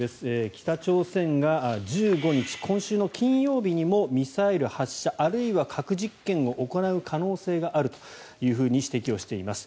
北朝鮮が１５日今週の金曜日にもミサイル発射あるいは核実験を行う可能性があると指摘しています。